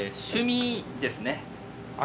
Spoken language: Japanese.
趣味ですね。